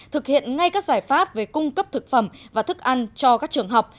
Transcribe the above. thực hiện ngay các giải pháp về cung cấp thực phẩm và thức ăn cho các trường học